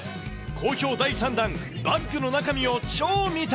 好評第３弾、バッグの中身を超見た！